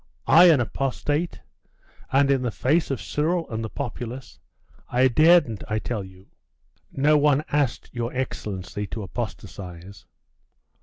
I an apostate! And in the face of Cyril and the populace! I daren't, I tell you!' 'No one asked your excellency to apostatise.